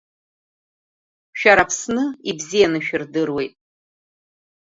Шәара Аԥсны ибзианы шәырдыруеит.